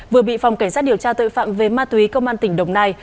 vừa bị phòng cảnh sát điều tra tội phạm về ma túy công an tỉnh đồng nai